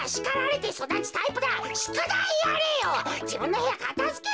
じぶんのへやかたづけろ。